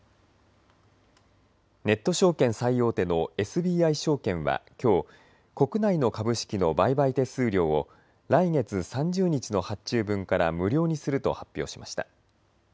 ネット証券最大手のＳＢＩ証券はきょう国内の株式の売買手数料を来月３０日の発注分から無料にすると発表しました。